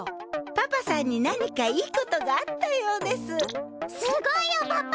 パパさんに何かいいことがあったようですすごいよパパ。